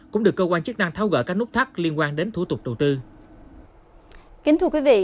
cũng được cơ quan chức năng tháo gỡ các nút thắt liên quan đến thủ tục đầu tư